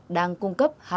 và các tỉnh thành phố